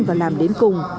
và làm đến cùng